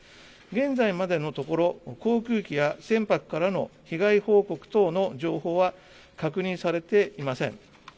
現在までのところ、航空機や船舶からの被害報告等の情報は確認されていません。